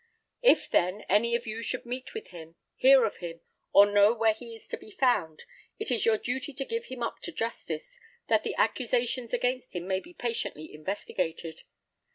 If, then, any of you should meet with him, hear of him, or know where he is to be found, it is your duty to give him up to justice, that the accusations against him may be patiently investigated.